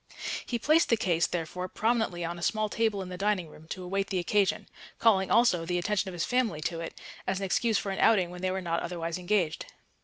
He placed the case, therefore, prominently on a small table in the dining room to await the occasion; calling also the attention of his family to it, as an excuse for an outing when they were not otherwise engaged.